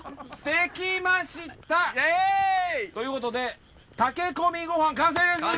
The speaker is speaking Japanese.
できました！ということで竹込みごはん完成です！